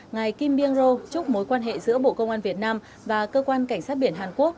ngài kim byung ro chúc mối quan hệ giữa bộ công an việt nam và cơ quan cảnh sát biển hàn quốc